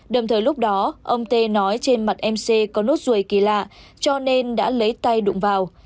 đồng thời lúc đó ông tê nói trên mặt mc có nốt ruồi kỳ lạ cho nên đã lấy tay đụng vào